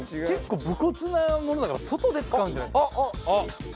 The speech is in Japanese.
結構無骨なものだから外で使うんじゃないですか？